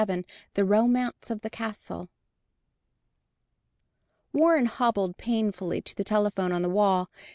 VII THE ROMANCE OF THE CASTLE Warren hobbled painfully to the telephone on the wall.